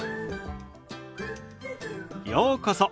ようこそ。